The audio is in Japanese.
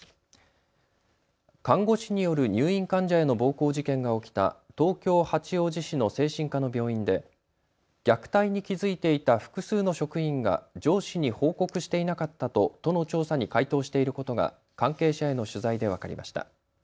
看護師による入院患者への暴行事件が起きた東京八王子市の精神科の病院で虐待に気付いていた複数の職員が上司に報告していなかったと都の調査に回答していることが関係者への取材で分かりました。